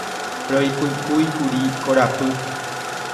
Roipykúikuri korapy.